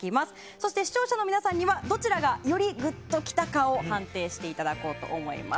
そして、視聴者の皆さんにはどちらがよりグッときたかを判定してただこうと思います。